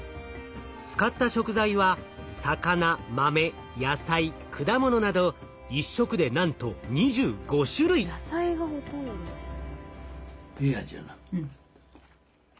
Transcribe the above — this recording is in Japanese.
使った食材は魚豆野菜果物など１食でなんと野菜がほとんどですね。